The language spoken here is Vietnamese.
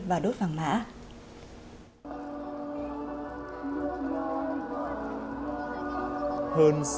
và đốt phẳng mã